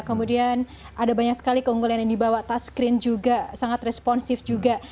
kemudian ada banyak sekali keunggulannya dibawa touchscreen juga sangat responsif juga